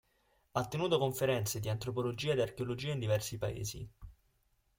Ha tenuto conferenze antropologia ed archeologia in diversi paesi.